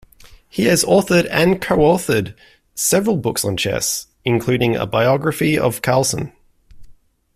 He has authored and co-authored several books on chess, including a biography of Carlsen.